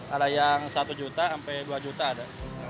ada yang satu juta sampai dua juta ada